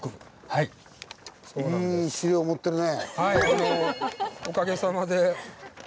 はいおかげさまで。